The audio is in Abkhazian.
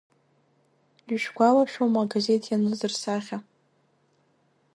Ишәгуалашәома агазеҭ ианыз рсахьа.